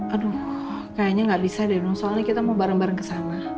aduh kayaknya gak bisa deh dong soalnya kita mau bareng bareng ke sana